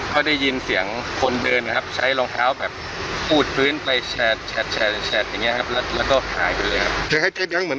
ก็ได้ยินเสียงคนเดินนะครับใช้รองเท้าแบบปูดพื้นไปแฉดอย่างนี้ครับแล้วก็หายไปเลยครับ